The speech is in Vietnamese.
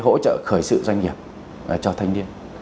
hỗ trợ khởi sự doanh nghiệp cho thanh niên